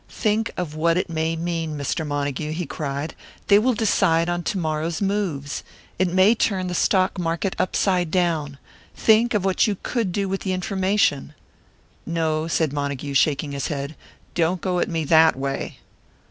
"Think of what it may mean, Mr. Montague," he cried. "They will decide on to morrow's moves! It may turn the stock market upside down. Think of what you could do with the information!" "No," said Montague, shaking his head; "don't go at me that way."